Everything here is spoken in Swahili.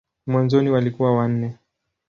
Mwanzoni walikuwa wanne.